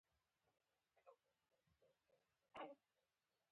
هغې سر وخوزاوه او سطل ترې وغورځید.